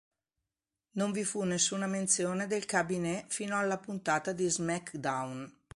Non vi fu nessuna menzione del Cabinet fino alla puntata di "SmackDown!